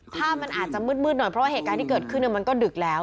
ภาพมันอาจจะมืดหน่อยเพราะว่าเหตุการณ์ที่เกิดขึ้นมันก็ดึกแล้ว